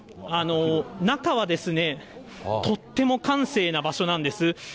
中はですね、とっても閑静な場所なんです。